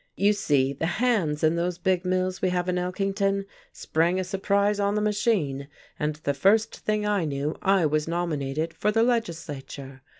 You see, the hands in those big mills we have in Elkington sprang a surprise on the machine, and the first thing I knew I was nominated for the legislature.